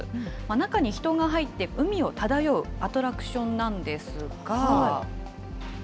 中に人が入って海を漂うアトラクションなんですが。